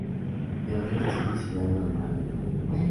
El resto es de sillar normal es nuevo.